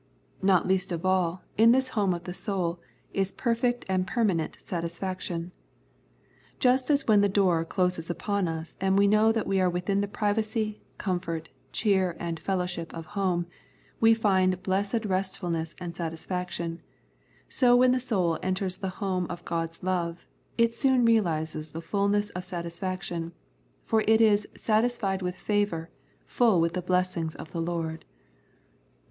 Not least of all, in 43 The Prayers of St. Paul this home of the soul, is perfect and per manent satisfaction. Just as when the door closes upon us and we know that we are within the privacy, comfort, cheer, and fellowship of home, we find blessed restfulness and satisfaction, so when the soul enters the home of God's love it soon realises the fulness of satisfaction, for it is " satisfied with favour, full with the blessing of the Lord."